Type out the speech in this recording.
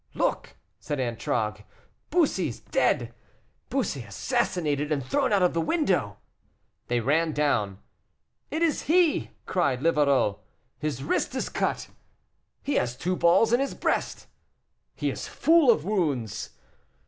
"Look!" said Antragues, "Bussy dead! Bussy assassinated and thrown out of window." They ran down. "It is he," cried Livarot. "His wrist is cut." "He has two balls in his breast." "He is full of wounds."